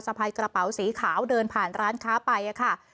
พายกระเป๋าสีขาวเดินผ่านร้านค้าไปค่ะ